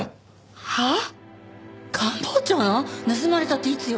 盗まれたっていつよ？